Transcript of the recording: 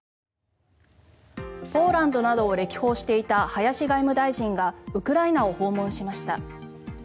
ポーランドなどを歴訪していた林外務大臣がウクライナを訪問しました。